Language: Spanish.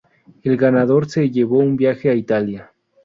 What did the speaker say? El ganador se llevó un viaje a Italia.